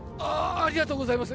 ありがとうございます